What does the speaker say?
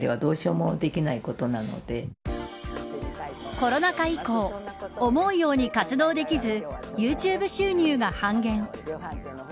コロナ禍以降思うように活動できずユーチューブ収入が半減。